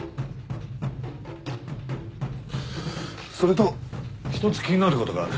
それと一つ気になることがある。